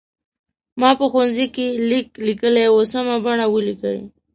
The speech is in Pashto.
ما په ښوونځي کې لیک لیکلی و سمه بڼه ولیکئ.